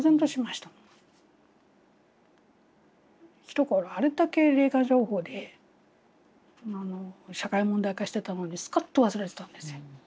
ひところあれだけ霊感商法で社会問題化してたのにスカッと忘れてたんですよ。